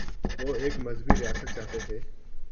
وہ ایک مذہبی ریاست چاہتے تھے؟